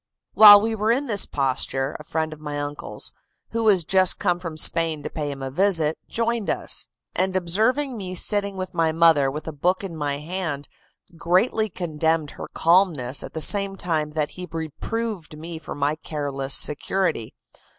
While we were in this posture, a friend of my uncle's, who was just come from Spain to pay him a visit, joined us; and observing me sitting with my mother with a book in my hand, greatly condemned her calmness at the same time that he reproved me for my careless security.